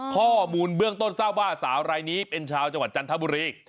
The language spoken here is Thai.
ข้อมูลเบื้องต้นทราบว่าสาวรายนี้เป็นชาวจังหวัดจันทบุรี